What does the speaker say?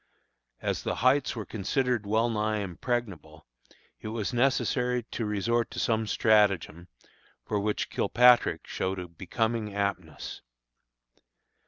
As the Heights were considered well nigh impregnable, it was necessary to resort to some stratagem, for which Kilpatrick showed a becoming aptness.